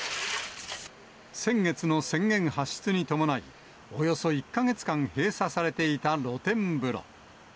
先月の宣言発出に伴い、およそ１か月間閉鎖されていた露天風呂。